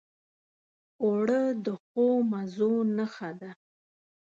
اوړه د ښو مزو نښه ده